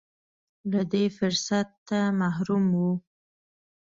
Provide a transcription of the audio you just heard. له دې فرصته محروم و.